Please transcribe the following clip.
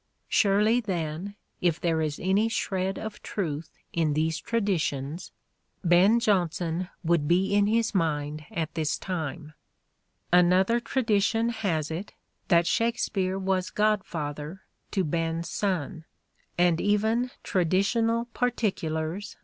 Surely, then, if there is any shred of truth in these traditions, Ben Jonson would be in his mind at the time. shakspere Another tradition has it that Shakspere was god reTmed father to Ben's son, and even traditional particulars godson.